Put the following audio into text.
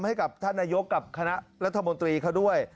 ให้กับท่านนายกกับคณะรัฐมนตรีเขาด้วย